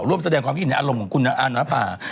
ร่วมแสดงความคิดเห็นในอารมณ์ของคุณอานภา